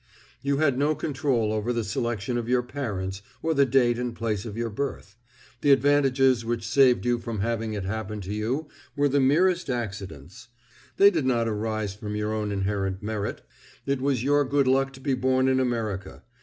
You had no control over the selection of your parents or the date and place of your birth. The advantages which saved you from having it happen to you were the merest accidents; they did not arise from your own inherent merit. It was your good luck to be born in America.